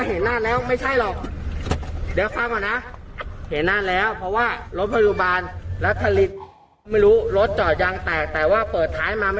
เห็นมาหลายเคสแล้วเข้าใจไหมพี่เข้าใจไหม